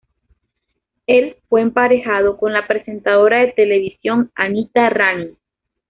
Él fue emparejado con la presentadora de televisión, Anita Rani.